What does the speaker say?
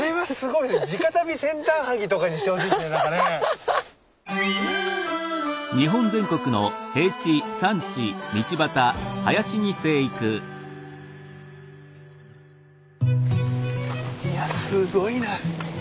いやすごいな。